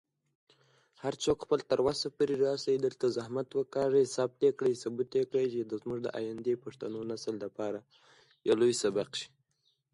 د «العِبر» اثر د نورو کتابونو په نسبت پراخ دی.